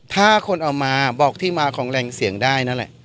ถ้าคนเอามาบอกที่มาของแรงเสี่ยงได้นั่นแหละ